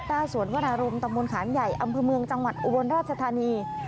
หน้าสวนวนารมตำบลขานใหญ่อำเภอเมืองจังหวัดอุบลราชธานี